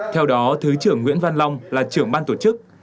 theo đó thứ trưởng nguyễn văn long là trưởng ban tổ chức